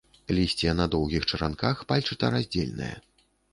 Лісце на доўгіх чаранках, пальчата-радзельнае.